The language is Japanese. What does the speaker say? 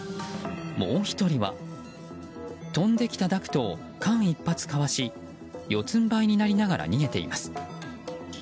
もう１人は飛んできたダクトを間一髪かわし四つんばいになりながら逃げています。